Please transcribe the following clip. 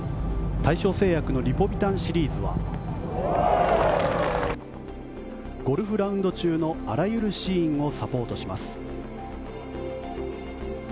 大正製薬のリポビタンシリーズはゴルフラウンド中のあらゆるシーンをサポートします。